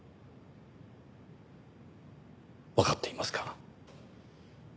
わかっていますか？